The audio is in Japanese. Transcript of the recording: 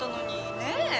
ねえ？